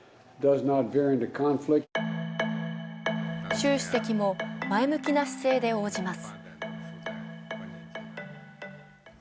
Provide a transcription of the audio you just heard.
習主席も前向きな姿勢で応じます。